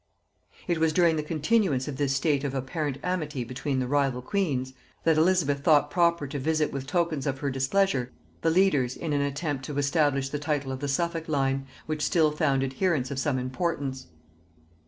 It was during the continuance of this state of apparent amity between the rival queens, that Elizabeth thought proper to visit with tokens of her displeasure the leaders in an attempt to establish the title of the Suffolk line, which still found adherents of some importance.